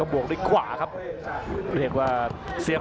อัศวินาศาสตร์